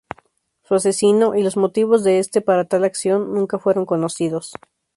Su asesino, y los motivos de este para tal acción, nunca fueron conocidos.